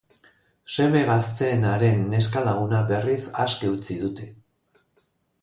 Seme gazteenaren neska-laguna, berriz, aske utzi dute.